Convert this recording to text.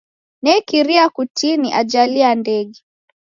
Nekiria kutini ajali ya ndege.